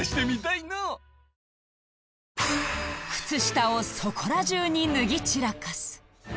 靴下をそこら中に脱ぎ散らかす